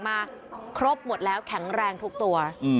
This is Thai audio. มาครบหมดแล้วแข็งแรงทุกตัว